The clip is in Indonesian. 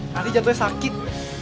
nanti jatuhnya sakit